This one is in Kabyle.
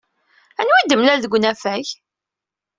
Anwa ay d-temlal deg unafag?